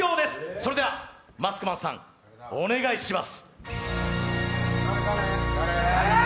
それでは、マスクマンさん、お願いします。